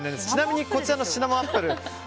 ちなみにこちらのシナモンアップル